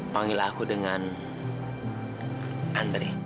panggil aku dengan andri